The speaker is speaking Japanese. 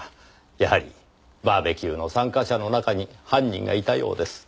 やはりバーベキューの参加者の中に犯人がいたようです。